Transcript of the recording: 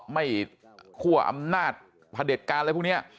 คั่วอำนาจพระเด็จการอะไรพวกนี้